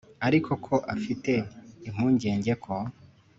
ariko ko afite impungenge ko